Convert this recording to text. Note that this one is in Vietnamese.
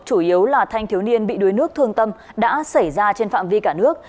chủ yếu là thanh thiếu niên bị đuối nước thương tâm đã xảy ra trên phạm vi cả nước